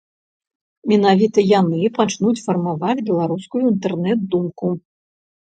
Менавіта яны пачнуць фармаваць беларускую інтэрнэт-думку.